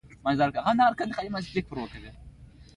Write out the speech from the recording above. دا طبقه باید دېرش سلنه رطوبت ولري